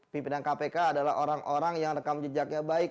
pimpinan kpk adalah orang orang yang rekam jejaknya baik